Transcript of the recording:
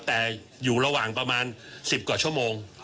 แต่อยู่ระหว่างประมาณ๑๐กว่าชั่วโมง